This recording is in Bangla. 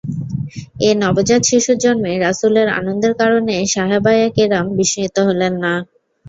এ নবজাত শিশুর জন্মে রাসূলের আনন্দের কারণে সাহাবায়ে কেরাম বিস্মিত হলেন না।